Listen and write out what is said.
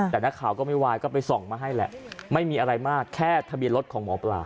แต่นักข่าวก็ไม่วายก็ไปส่องมาให้แหละไม่มีอะไรมากแค่ทะเบียนรถของหมอปลา